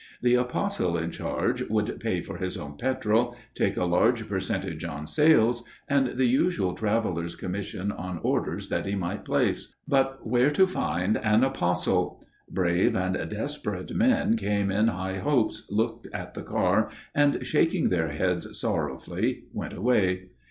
The apostle in charge would pay for his own petrol, take a large percentage on sales, and the usual traveller's commission on orders that he might place. But where to find an apostle? Brave and desperate men came in high hopes, looked at the car, and, shaking their heads sorrowfully, went away.